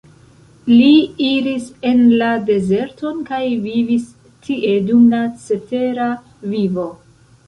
Li iris en la dezerton kaj vivis tie dum la cetera vivo.